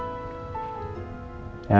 aku mau bantu dia